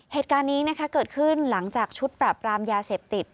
เหตุการณ์นี้นะคะเกิดขึ้นหลังจากชุดปราบรามยาเสพติด